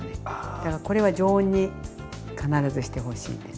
だからこれは常温に必ずしてほしいんです。